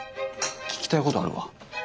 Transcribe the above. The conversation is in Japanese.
聞きたいことあるわ。